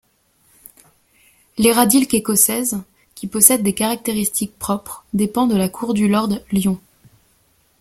L'héraldique écossaise, qui possède des caractéristiques propres, dépend de la Cour du lord Lyon.